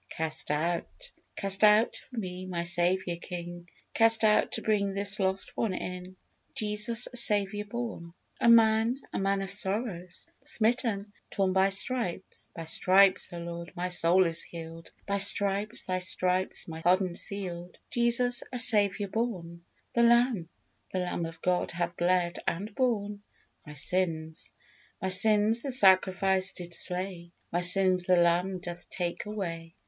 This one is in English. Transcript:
Cast out: Cast out for me, my Saviour, King, Cast out to bring this lost one in. Jesus a Saviour born, A man: A man of sorrows, smitten, torn by stripes: By stripes, O Lord, my soul is healed, By stripes, Thy stripes, my pardon sealed. Jesus a Saviour born, The Lamb: The Lamb of God hath bled and borne My sins: My sins the Sacrifice did slay, My sins the Lamb doth take away.